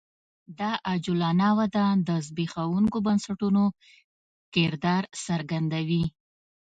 دا عجولانه وده د زبېښونکو بنسټونو کردار څرګندوي